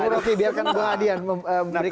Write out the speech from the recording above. bu roki biarkan bu hadian menarikan